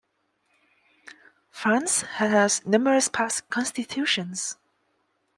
France has had numerous past constitutions.